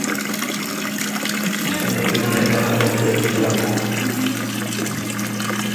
España tiene una embajada en Bratislava.